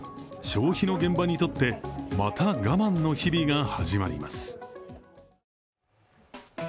消費の現場にとって、また我慢の日々が始まります。